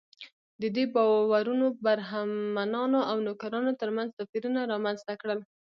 دې باورونو برهمنانو او نوکرانو تر منځ توپیرونه رامنځته کړل.